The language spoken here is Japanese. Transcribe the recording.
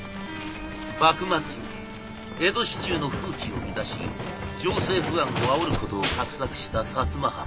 幕末江戸市中の風紀を乱し情勢不安をあおることを画策した摩藩。